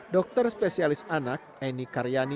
dokter spesialis anak eni karyani